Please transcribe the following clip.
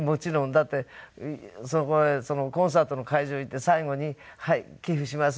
だってコンサートの会場へ行って最後に「はい寄付します。